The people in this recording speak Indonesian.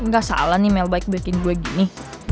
gak salah nih mel baik baikin gue gini